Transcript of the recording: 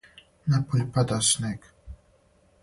Напољу пада снег.